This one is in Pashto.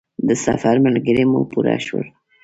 د سفر ملګري مو پوره شول.